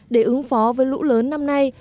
để ứng phó với lũ lớn năm nay